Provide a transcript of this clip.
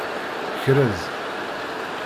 Krez.